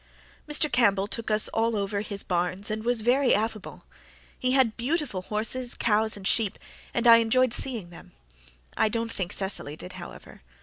Mr. Campbell took us all over his barns and was very affable. He had beautiful horses, cows and sheep, and I enjoyed seeing them. I don't think Cecily did, however.